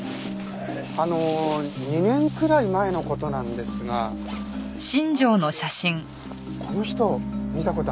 あの２年くらい前の事なんですがこの辺りでこの人見た事ありませんか？